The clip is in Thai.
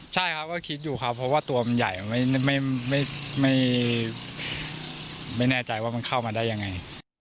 ใช่ครับก็คิดอยู่ครับเพราะว่าตัวมันใหญ่ไม่แน่ใจว่ามันเข้ามาได้ยังไง